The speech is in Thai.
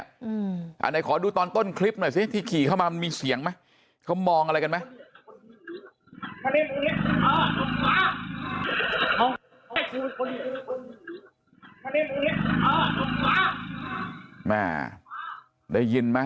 ไหนขอดูตอนต้นคลิปหน่อยสิที่ขี่เข้ามามันมีเสียงไหมเขามองอะไรกันไหม